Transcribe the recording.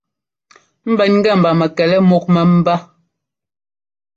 Ḿbɛn ŋ́gɛ mba mɛkɛlɛ múk mɛ́mbá.